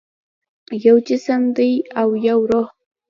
یو جسم دی او یو روح